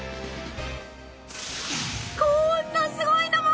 こんなすごいのも！